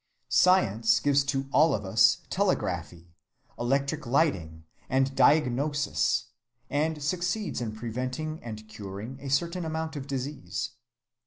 Science gives to all of us telegraphy, electric lighting, and diagnosis, and succeeds in preventing and curing a certain amount of disease.